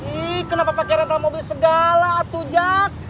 ih kenapa pakai rental mobil segala atu jack